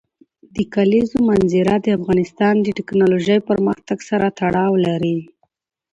د کلیزو منظره د افغانستان د تکنالوژۍ پرمختګ سره تړاو لري.